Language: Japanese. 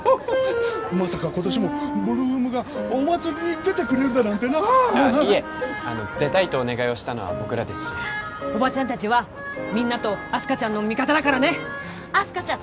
まさか今年も８ＬＯＯＭがお祭りに出てくれるだなんてなあいえ出たいとお願いをしたのは僕らですしおばちゃん達はみんなとあす花ちゃんの味方だからね・あす花ちゃん